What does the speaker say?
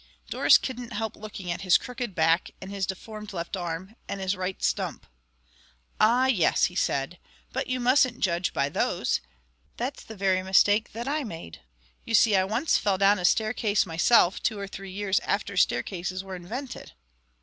Doris couldn't help looking at his crooked back, and his deformed left arm, and his right stump. "Ah, yes," he said; "but you mustn't judge by those. That's the very mistake that I made. You see, I once fell down a staircase myself, two or three years after staircases were invented."